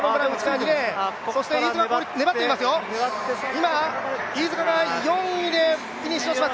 今、飯塚が４位でフィニッシュします。